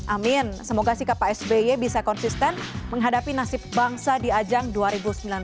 amin semoga sikap pak sby bisa konsisten menghadapi nasib bangsa di ajang dua ribu sembilan belas